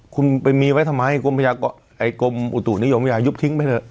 คุณไปมีไว้ทำไมไอ้กรมอุตุนิยมวิทยายุบทิ้งไปเถอะ